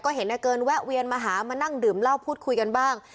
เห็นนายเกินแวะเวียนมาหามานั่งดื่มเหล้าพูดคุยกันบ้าง